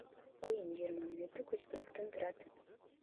Оюн жыйырма мүнөттүк үч бөлүктөн турат.